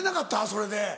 それで。